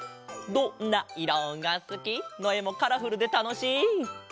「どんないろがすき」のえもカラフルでたのしい！